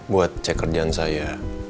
buat cek kerjaan saya